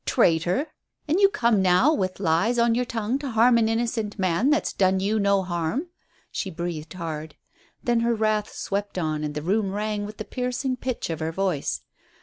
Traitor! An' you come now with lies on your tongue to harm an innocent man what's done you no harm." She breathed hard. Then her wrath swept on, and the room rang with the piercing pitch of her voice.